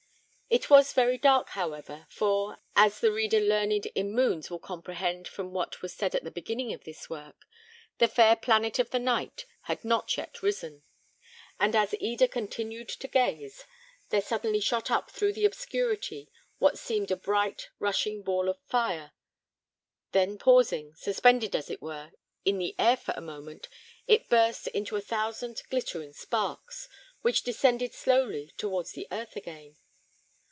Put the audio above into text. It was very dark, however, for as the reader learned in moons will comprehend from what was said at the beginning of this work the fair planet of the night had not yet risen; and as Eda continued to gaze, there suddenly shot up through the obscurity what seemed a bright, rushing ball of fire; then pausing, suspended as it were, in the air for a moment, it burst into a thousand glittering sparks, which descended slowly towards the earth again.